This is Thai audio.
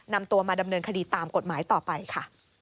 นำตัวมาดำเนินคดีตามกฎหมายต่อไปค่ะ